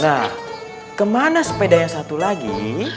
nah kemana sepedanya satu lagi